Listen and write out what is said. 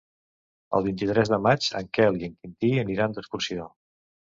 El vint-i-tres de maig en Quel i en Quintí aniran d'excursió.